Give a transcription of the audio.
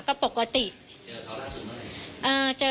เจอเขาล่าสุดเมื่อไหร่